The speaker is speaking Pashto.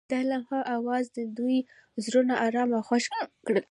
د لمحه اواز د دوی زړونه ارامه او خوښ کړل.